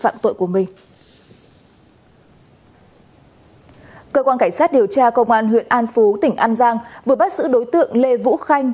cơ quan cảnh sát điều tra công an huyện an phú tỉnh an giang vừa bắt giữ đối tượng lê vũ khanh